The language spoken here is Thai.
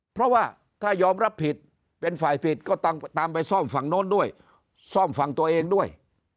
เพราะว่าถ้ายอมรับผิดเป็นฝ่ายผิดก็ต้องตามไปซ่อมฝั่งโน้นด้วยซ่อมฝั่งตัวเองด้วย